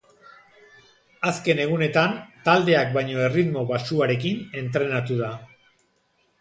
Azken egunetan taldeak baino erritmo baxuarekin entrenatu da.